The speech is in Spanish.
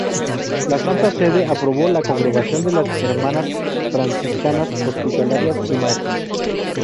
La Santa Sede aprobó la Congregación de las Hermanas Franciscanas Hospitalarias y Maestras.